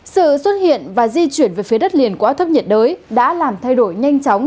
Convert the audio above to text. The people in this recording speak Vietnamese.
sự xuất hiện và di chuyển về phía đất liền của áp thấp nhiệt đới đã làm thay đổi nhanh chóng